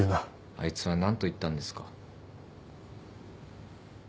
あいつは何と言ったんですか？